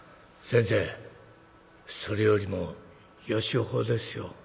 「先生それよりもよしほうですよ」。